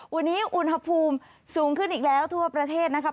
วันนี้อุณหภูมิสูงขึ้นอีกแล้วทั่วประเทศนะครับ